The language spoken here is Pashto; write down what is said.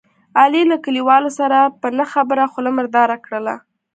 علي له کلیوالو سره په نه خبره خوله مرداره کړله.